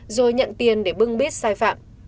rồi nhận tiền để bưng bít sai phạm